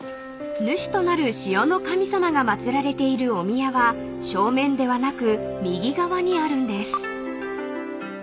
［主となる塩の神様が祭られているお宮は正面ではなく右側にあるんです］